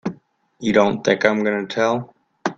You don't think I'm gonna tell!